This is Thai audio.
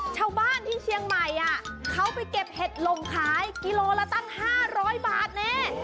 ชาวบ้านที่เชียงใหม่อ่ะเขาไปเก็บเห็ดล่มขายกิโลละตั้งห้าร้อยบาทเนี่ย